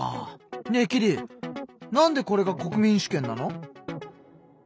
ねえキリなんでこれが国民主権なの？